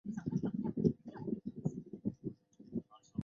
游戏商会推出不同的限时频道。